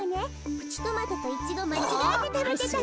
プチトマトとイチゴまちがえてたべてたの。